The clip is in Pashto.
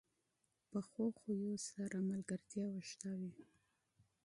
پخو خویو سره دوستي اوږده وي